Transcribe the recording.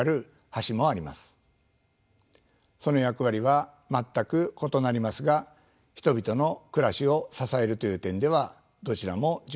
その役割は全く異なりますが人々の暮らしを支えるという点ではどちらも重要です。